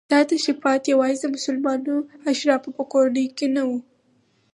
دا تشریفات یوازې د مسلمانو اشرافو په کورنیو کې نه وو.